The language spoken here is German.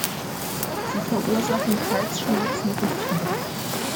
Sie verursachen Halsschmerzen und Fieber.